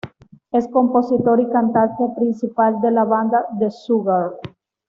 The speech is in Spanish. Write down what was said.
Es compositor y cantante principal de la banda "The Sugar".